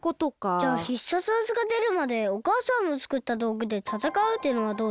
じゃあ必殺技がでるまでおかあさんのつくったどうぐでたたかうってのはどうですか？